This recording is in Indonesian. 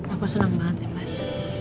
aku senang banget ya mas